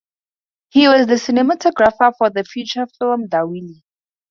He was the cinematographer for the feature film Diwali.